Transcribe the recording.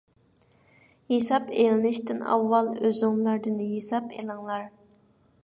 ھېساب ئېلىنىشتىن ئاۋۋال ئۆزۈڭلاردىن ھېساب ئېلىڭلار.